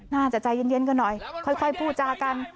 น่าจะใจเย็นกันหน่อยค่อยพูดจากัน